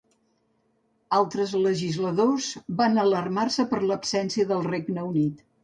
Altres legisladors van alarmar-se per la absència del Regne Unit.